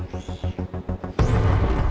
terus lu punya ide apa